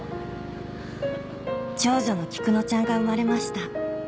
・長女の菊乃ちゃんが生まれました